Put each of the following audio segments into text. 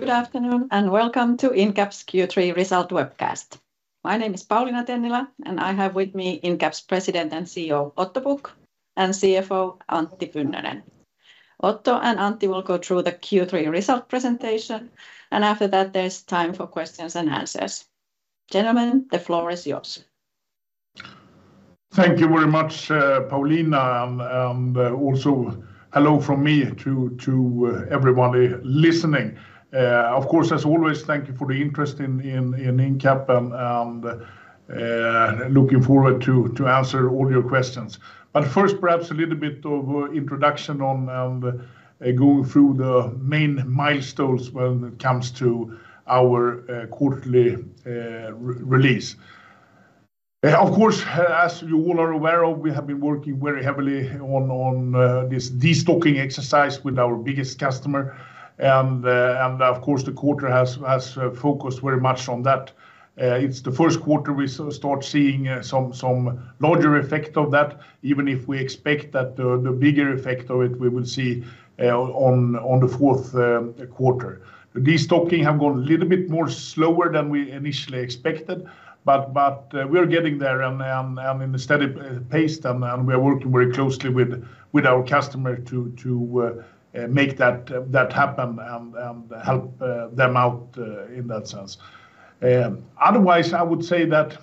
Good afternoon, and welcome to Incap's Q3 Result webcast. My name is Pauliina Tennilä, and I have with me Incap's President and CEO, Otto Pukk, and CFO, Antti Pynnönen. Otto and Antti will go through the Q3 result presentation, and after that, there's time for questions and answers. Gentlemen, the floor is yours. Thank you very much, Pauliina, and also hello from me to everybody listening. Of course, as always, thank you for the interest in Incap and looking forward to answer all your questions. But first, perhaps a little bit of introduction, and going through the main milestones when it comes to our quarterly release. Of course, as you all are aware of, we have been working very heavily on this destocking exercise with our biggest customer, and of course, the quarter has focused very much on that. It's the first quarter we start seeing some larger effect of that, even if we expect that the bigger effect of it, we will see on the fourth quarter. Destocking have gone a little bit more slower than we initially expected, but we're getting there and, I mean, a steady pace, and we are working very closely with our customer to make that happen and help them out in that sense. Otherwise, I would say that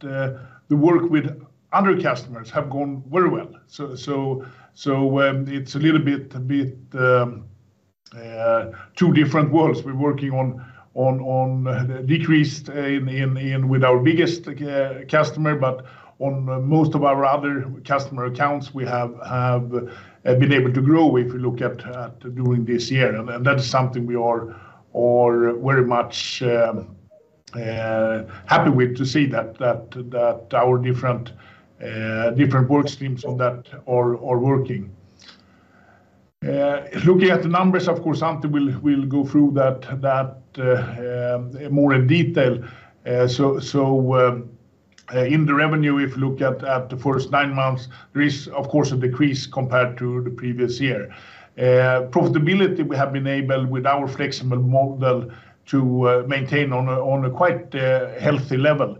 the work with other customers have gone very well. So, it's a little bit two different worlds. We're working on the decrease in with our biggest customer, but on most of our other customer accounts, we have been able to grow if we look at during this year. And that's something we are very much happy with, to see that our different work streams on that are working. Looking at the numbers, of course, Antti will go through that more in detail. So in the revenue, if you look at the first nine months, there is of course a decrease compared to the previous year. Profitability, we have been able, with our flexible model, to maintain on a quite healthy level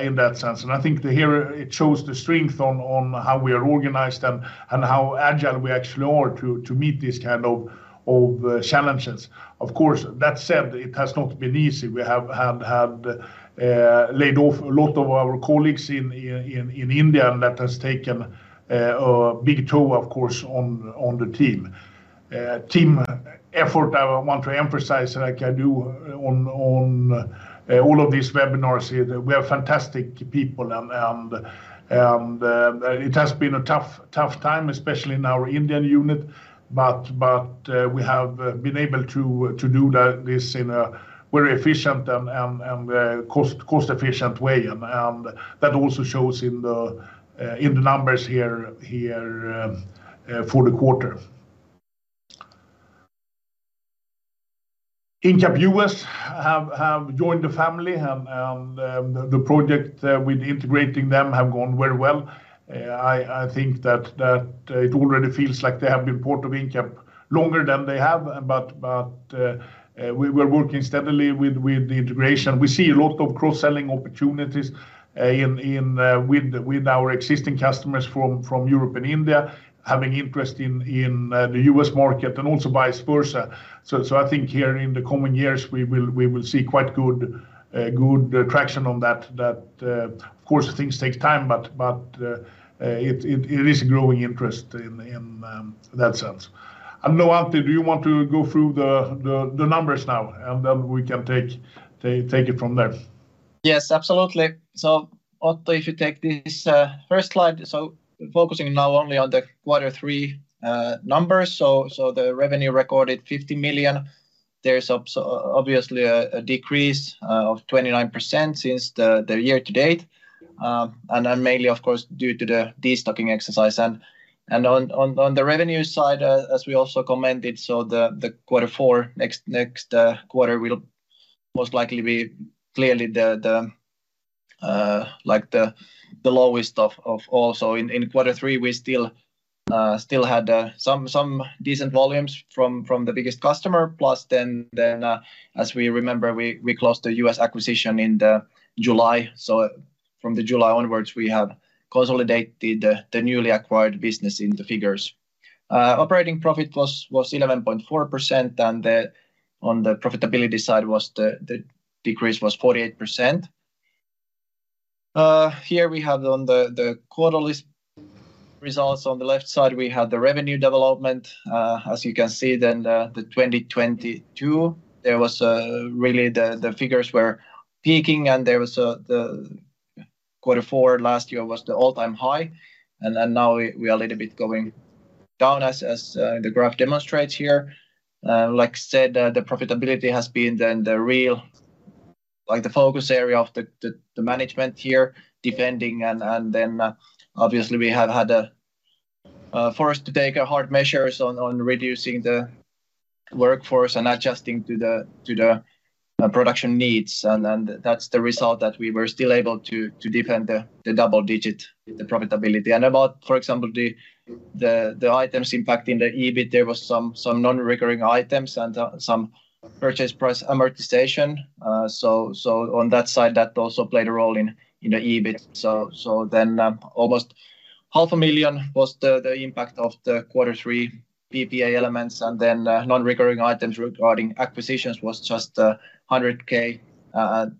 in that sense. And I think here it shows the strength on how we are organized and how agile we actually are to meet this kind of challenges. Of course, that said, it has not been easy. We have laid off a lot of our colleagues in India, and that has taken a big toll, of course, on the team. Team effort, I want to emphasize, like I do on all of these webinars, is we are fantastic people and it has been a tough time, especially in our Indian unit. But we have been able to do this in a very efficient and cost-efficient way. And that also shows in the numbers here for the quarter. Incap US have joined the family, and the project with integrating them have gone very well. I think that it already feels like they have been part of Incap longer than they have, but we're working steadily with the integration. We see a lot of cross-selling opportunities with our existing customers from Europe and India having interest in the U.S. market and also vice versa. So I think here in the coming years, we will see quite good traction on that. Of course, things take time, but it is growing interest in that sense. I don't know, Antti, do you want to go through the numbers now, and then we can take it from there? Yes, absolutely. So Otto, if you take this first slide. So focusing now only on the quarter three numbers, so the revenue recorded 50 million. There's obviously a decrease of 29% since the year-to-date, and then mainly, of course, due to the destocking exercise. And on the revenue side, as we also commented, so the quarter four, next quarter will most likely be clearly the lowest of all. So in quarter three, we still had some decent volumes from the biggest customer, plus then, as we remember, we closed the U.S. acquisition in the July. So from the July onwards, we have consolidated the newly acquired business in the figures. Operating profit was 11.4%, and on the profitability side, the decrease was 48%. Here we have the quarterly results. On the left side, we have the revenue development. As you can see, in 2022, there was really the figures were peaking, and there was the quarter four last year was the all-time high, and then now we are a little bit going down as the graph demonstrates here. Like I said, the profitability has been then the real, like the focus area of the management here, defending and then, obviously, we have had to take hard measures on reducing the workforce and adjusting to the production needs, and that's the result that we were still able to defend the double-digit profitability. And about, for example, the items impact in the EBIT, there was some non-recurring items and some purchase price amortization. So on that side, that also played a role in the EBIT. So then, almost 500,000 was the impact of the quarter three PPA elements, and then non-recurring items regarding acquisitions was just 100,000.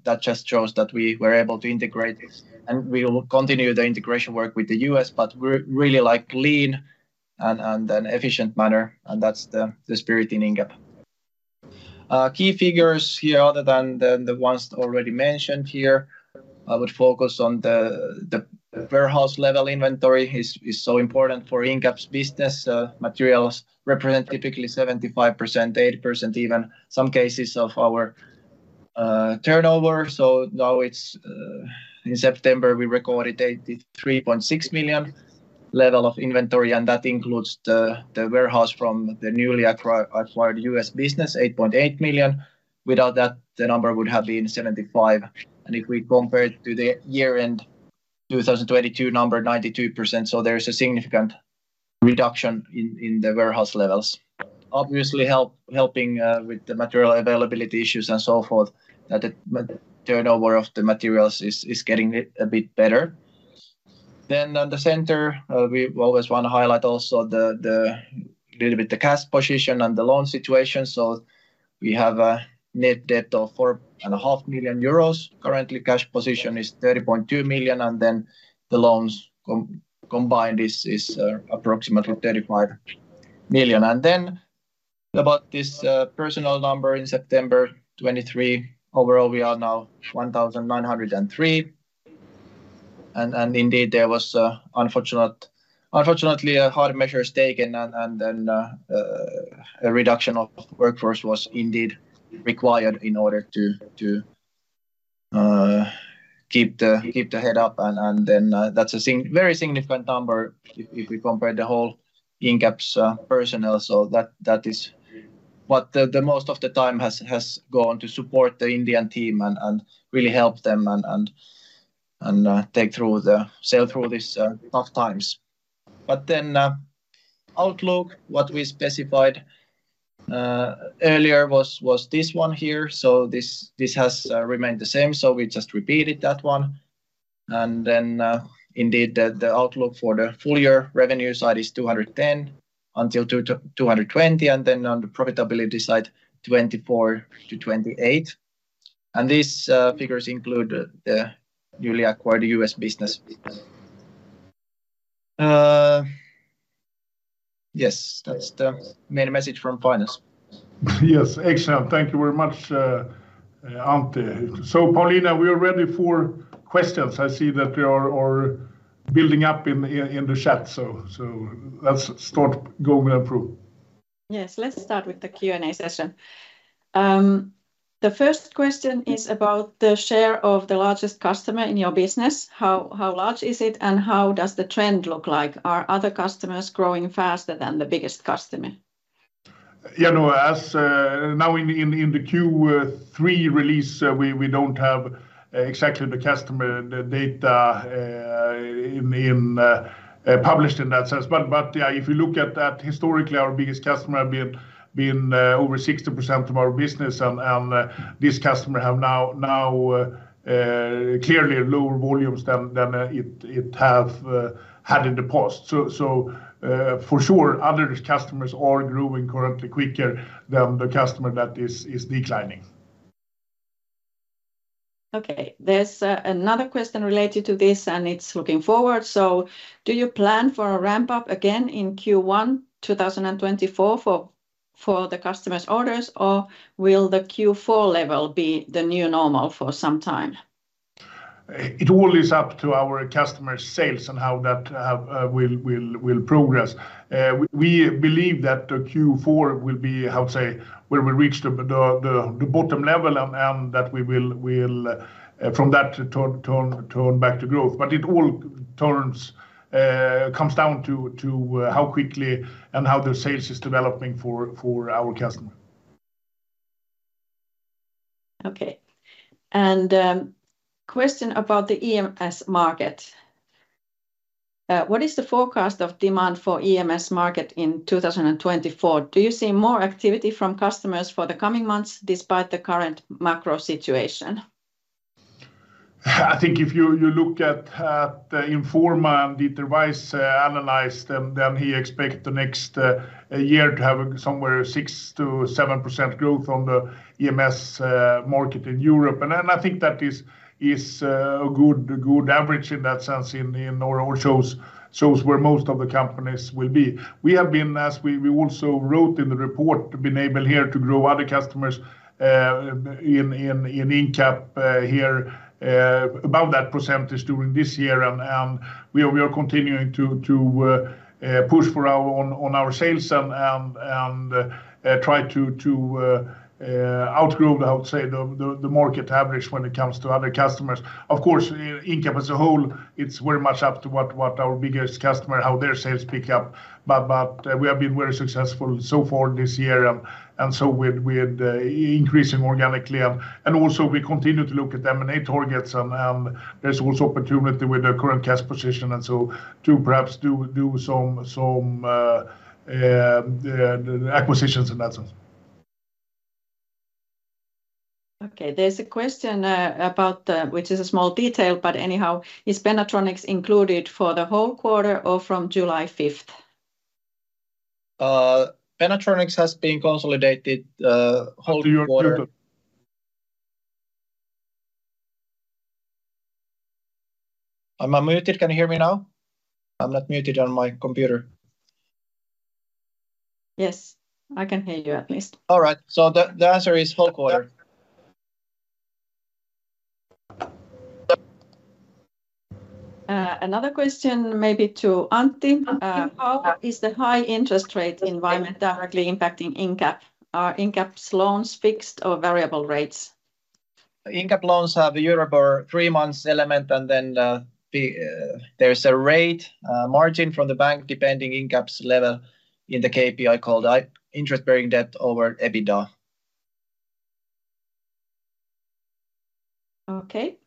That just shows that we were able to integrate this, and we will continue the integration work with the U.S., but we're really, like, lean and an efficient manner, and that's the spirit in Incap. Key figures here, other than the ones already mentioned here, I would focus on warehouse level inventory is so important for Incap's business. Materials represent typically 75%-80%, even some cases of our turnover. So now it's in September, we recorded 83.6 million level of inventory, and that includes the warehouse from the newly acquired U.S. business, 8.8 million. Without that, the number would have been 75%. And if we compare it to the year-end 2022 number, 92%, so there is a significant reduction in the warehouse levels. Obviously, helping with the material availability issues and so forth, that the turnover of the materials is getting a bit better. Then on the cash, we always want to highlight also the little bit, the cash position and the loan situation. So we have a net debt of 4.5 million euros. Currently, cash position is 30.2 million, and then the loans combined is approximately 35 million. Then about this personnel number in September 2023, overall, we are now 1,903. Indeed, there was unfortunately hard measures taken, and then a reduction of workforce was indeed required in order to keep the head up. Then that's a very significant number if we compare the whole Incap's personnel. So that is what the most of the time has gone to support the Indian team and really help them and take through the sail through these tough times. But then outlook, what we specified earlier was this one here. So this, this has remained the same, so we just repeated that one. And then, indeed, the, the outlook for the full year revenue side is 210 million-220 million, and then on the profitability side, 24 million-28 million. And these figures include the, the newly acquired U.S. business. Yes, that's the main message from finance. Yes, excellent. Thank you very much, Antti. So, Pauliina, we are ready for questions. I see that they are building up in the chat, so let's start going through. Yes, let's start with the Q&A session. The first question is about the share of the largest customer in your business. How large is it, and how does the trend look like? Are other customers growing faster than the biggest customer? Yeah, no, as now in the Q3 release, we don't have exactly the customer data in published in that sense. But yeah, if you look at that historically, our biggest customer have been over 60% of our business, and this customer have now clearly lower volumes than it have had in the past. So, for sure, other customers are growing currently quicker than the customer that is declining. Okay, there's another question related to this, and it's looking forward: So do you plan for a ramp-up again in Q1 2024 for, for the customer's orders, or will the Q4 level be the new normal for some time? It all is up to our customer sales and how that will progress. We believe that the Q4 will be, how to say, where we reach the bottom level, and that we will from that turn back to growth. But it all turns comes down to how quickly and how the sales is developing for our customer. Okay, and question about the EMS market. What is the forecast of demand for EMS market in 2024? Do you see more activity from customers for the coming months, despite the current macro situation? I think if you look at the in4ma, and Dieter Weiss analyzed, and then he expected the next year to have somewhere 6%-7% growth on the EMS market in Europe. And then I think that is a good average in that sense or shows where most of the companies will be. We have been, as we also wrote in the report, been able here to grow other customers in Incap here above that percentage during this year. And we are continuing to push on our sales and try to outgrow, how to say, the market average when it comes to other customers. Of course, Incap as a whole, it's very much up to what our biggest customer, how their sales pick up. But we have been very successful so far this year, and so with increasing organically. And also we continue to look at M&A targets, and there's also opportunity with the current cash position, and so to perhaps do some acquisitions in that sense. Okay, there's a question about the, which is a small detail, but anyhow, is Pennatronics included for the whole quarter or from July 5th? Pennatronics has been consolidated whole quarter. Am I muted? Can you hear me now? I'm not muted on my computer. Yes, I can hear you at least. All right. So the answer is whole quarter. Another question maybe to Antti. How is the high interest rate environment directly impacting Incap? Are Incap's loans fixed or variable rates? Incap loans have a EURIBOR three-month element, and then, the, there's a rate margin from the bank, depending on Incap's level in the KPI called interest-bearing debt over EBITDA. Okay.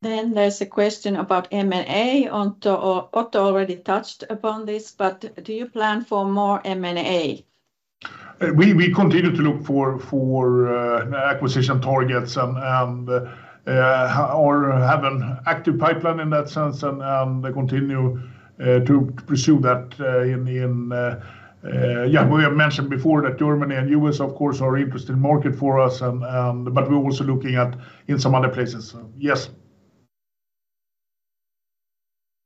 Then there's a question about M&A. Otto already touched upon this, but do you plan for more M&A? We continue to look for acquisition targets and or have an active pipeline in that sense, and continue to pursue that in. Yeah, we have mentioned before that Germany and U.S., of course, are interesting market for us, and but we're also looking at in some other places, so yes.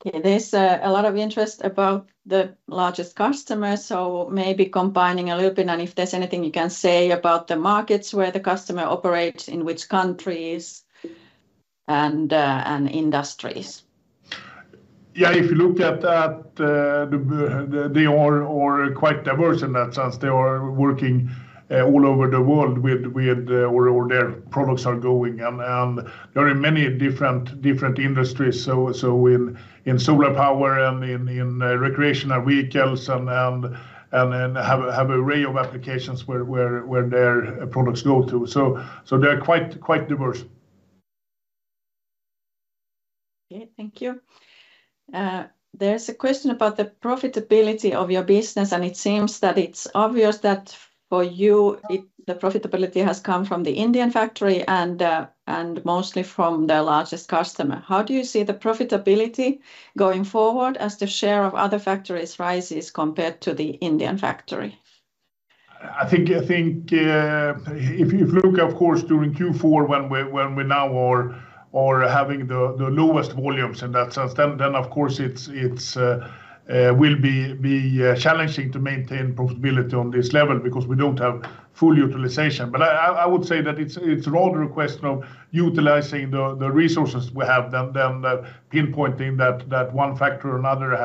Okay. There's a lot of interest about the largest customer, so maybe combining a little bit, and if there's anything you can say about the markets where the customer operates, in which countries and industries. Yeah, if you look at that, they are quite diverse in that sense. They are working all over the world with where all their products are going. And there are many different industries, so in solar power and in recreational vehicles and have an array of applications where their products go to. So, they're quite diverse. Okay, thank you. There's a question about the profitability of your business, and it seems that it's obvious that for you, the profitability has come from the Indian factory and mostly from the largest customer. How do you see the profitability going forward as the share of other factories rises compared to the Indian factory? I think if you look, of course, during Q4, when we now are having the lowest volumes in that sense, then, of course, it will be challenging to maintain profitability on this level because we don't have full utilization. But I would say that it's rather a question of utilizing the resources we have than the pinpointing that one factor or another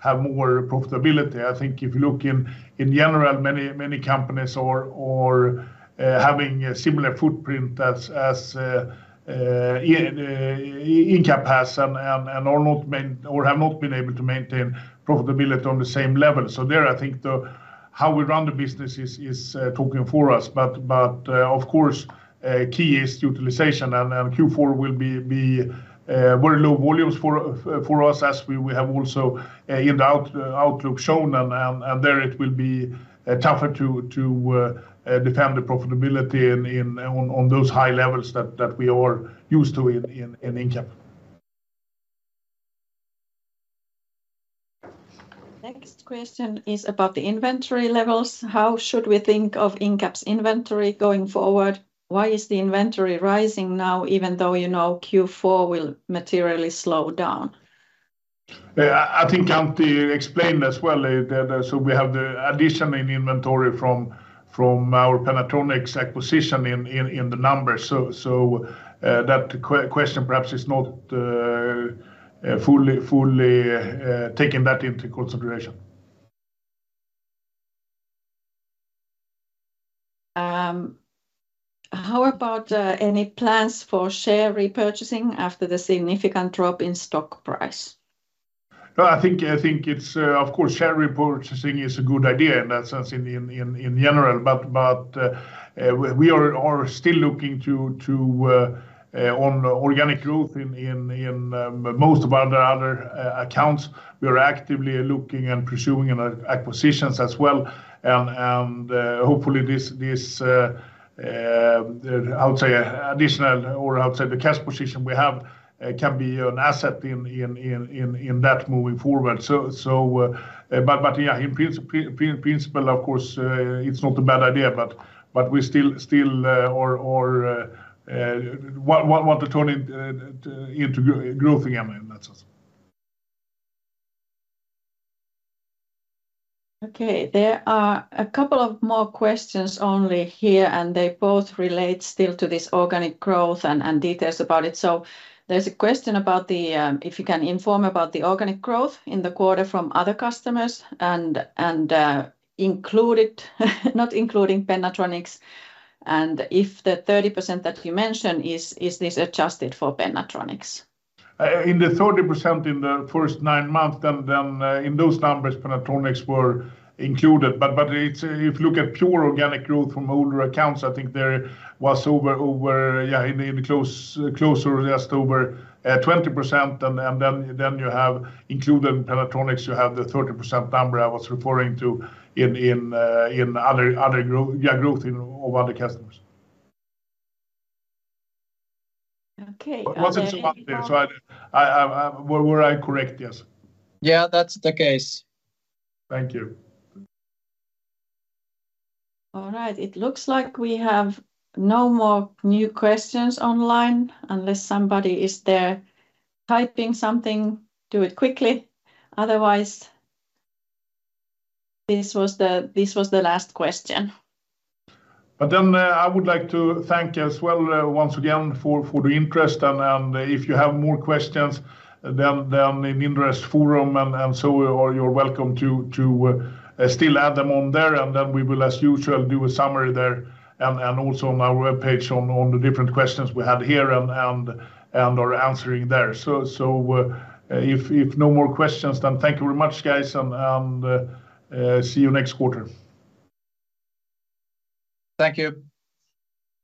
have more profitability. I think if you look in general, many companies are having a similar footprint as Incap has and are not main- or have not been able to maintain profitability on the same level. So there, I think the. How we run the business is talking for us. But, of course, key is utilization, and Q4 will be very low volumes for us as we have also in the outlook shown. And there it will be tougher to defend the profitability on those high levels that we are used to in Incap. Next question is about the inventory levels. How should we think of Incap's inventory going forward? Why is the inventory rising now, even though you know Q4 will materially slow down? Yeah, I think Antti explained as well that, so we have the addition in inventory from our Pennatronics acquisition in the numbers. So, that question perhaps is not fully taking that into consideration. How about, any plans for share repurchasing after the significant drop in stock price? I think it's. Of course, share repurchasing is a good idea in that sense, in general, but we are still looking to on organic growth in most of our other accounts. We are actively looking and pursuing an acquisitions as well, and hopefully, this, I would say additional or I would say the cash position we have can be an asset in that moving forward. So, but, yeah, in principle, of course, it's not a bad idea, but we still want to turn it into growth again in that sense. Okay. There are a couple of more questions only here, and they both relate still to this organic growth and details about it. So there's a question about the If you can inform about the organic growth in the quarter from other customers and included- not including Pennatronics, and if the 30% that you mentioned is this adjusted for Pennatronics? In the 30% in the first nine months, then in those numbers, Pennatronics were included. But it's. If you look at pure organic growth from older accounts, I think there was over, yeah, in closer to just over 20%. And then you have included Pennatronics, you have the 30% number I was referring to in other growth in of other customers. Okay, and then. Was it so, Antti? So, were I correct, yes? Yeah, that's the case. Thank you. All right. It looks like we have no more new questions online, unless somebody is there typing something, do it quickly. Otherwise, this was the, this was the last question. But then, I would like to thank you as well, once again, for the interest. If you have more questions, then in Inderes forum, or you're welcome to still add them on there, and then we will, as usual, do a summary there and also on our webpage on the different questions we had here and are answering there. If no more questions, then thank you very much, guys, and see you next quarter. Thank you.